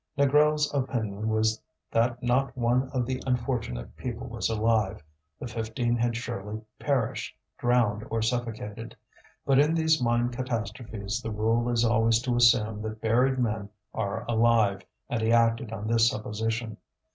Négrel's opinion was that not one of the unfortunate people was alive; the fifteen had surely perished, drowned or suffocated. But in these mine catastrophes the rule is always to assume that buried men are alive, and he acted on this supposition.